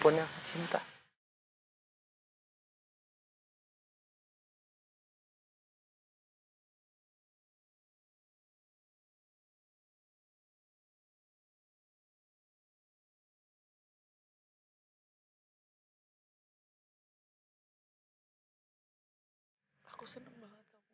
ini juga udah senyum tapi